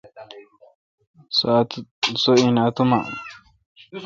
سو این اؘ اتوما۔